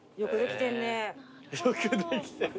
よくできてんね。